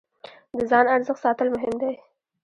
د ځان ارزښت ساتل مهم دی.